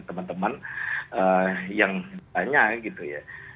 teman teman yang banyak gitu ya